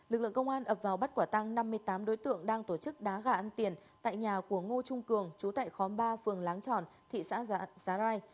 lực lượng công an ập vào bắt quả tăng năm mươi tám đối tượng đang tổ chức đá gà ăn tiền tại nhà của ngô trung cường chú tại khóm ba phường láng tròn thị xã giá rai